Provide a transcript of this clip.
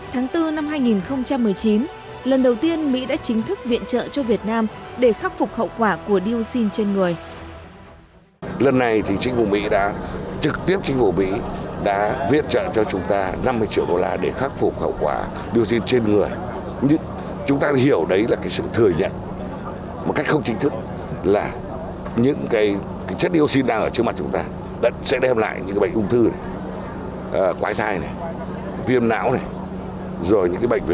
tháng bốn năm hai nghìn một mươi chín lần đầu tiên mỹ đã chính thức viện trợ cho việt nam để khắc phục hậu quả của niu xin trên người